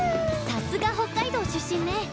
さすが北海道出身ね。